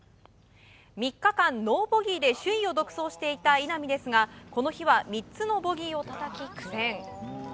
３日間ノーボギーで首位を独走していた稲見ですがこの日は３つのボギーをたたき苦戦。